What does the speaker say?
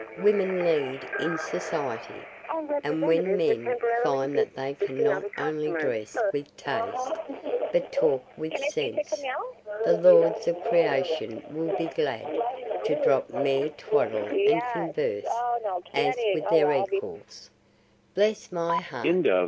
Women lead in society, and when men find that they can not only dress with taste, but talk with sense, the lords of creation will be glad to drop mere twaddle and converse as with their equals. Bless my heart!"